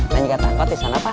nanya ke tangkot disana pak